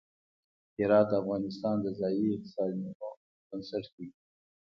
هرات د افغانستان د ځایي اقتصادونو بنسټ دی.